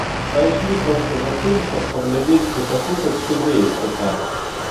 Пайшлі проста затым, каб паглядзець ды паслухаць, што дзеецца там.